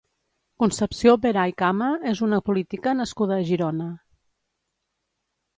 Concepció Veray Cama és una política nascuda a Girona.